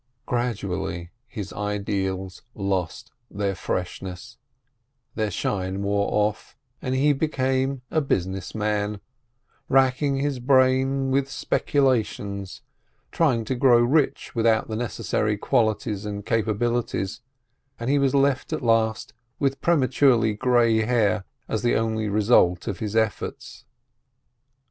Gradually his ideals lost their freshness, their shine wore off, and he became a business man, racking his brain with speculations, trying to grow rich without the necessary qualities and capabilities, and he was left at last with prematurely grey hair as the only result of his efforts.